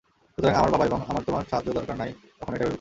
সুতরাং আমার বাবা এবং আমার তোমার সাহায্য দরকার নাই কখনো এটা ভেবেছ?